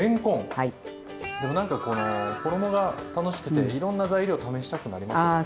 なんかこの衣が楽しくていろんな材料試したくなりますね。